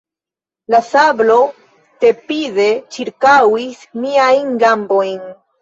La sablo tepide ĉirkaŭis miajn gambojn.